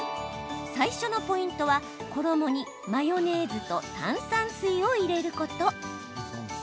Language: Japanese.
最初のポイントは衣にマヨネーズと炭酸水を入れること。